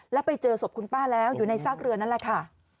แล้วไปเจอศพคุณป้าแล้วอยู่ในซากเรือนั่นแหละค่ะ